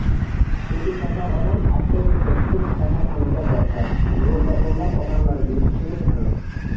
Chunki kasal odam avtobusga tushib kasalxonaga borsa, yo'lda o'nlab odamlarga yuqishi mumkin